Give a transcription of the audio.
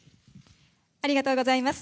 ありがとうございます。